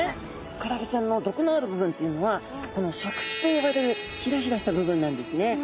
クラゲちゃんのどくのあるぶぶんというのはこの触手とよばれるひらひらしたぶぶんなんですね。